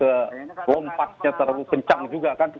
kita tidak ke lompatnya terlalu kencang juga kan